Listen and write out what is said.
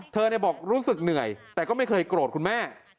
บอกรู้สึกเหนื่อยแต่ก็ไม่เคยโกรธคุณแม่